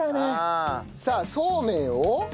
さあそうめんを？